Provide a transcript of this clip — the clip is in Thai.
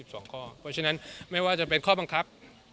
เพราะฉะนั้นไม่ว่าจะเป็นข้อบังคับ